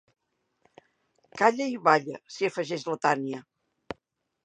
Calla i balla —s'hi afegeix la Tània.